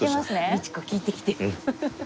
道子聞いてきて。